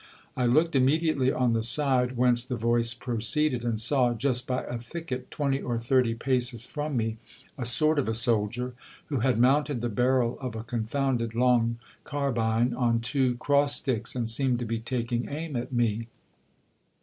I looked immediately on the side whence the voice proceeded, and saw, just by a thicket, twenty or thirty paces ADVENTURES AT PEGXAFLGR. from me, a sort of a soldier, who had mounted the barrel of a confounded long carbine on two cross sticks, and seemed to be taking aim at me.